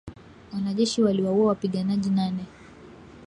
Wanajeshi waliwaua wapiganaji nane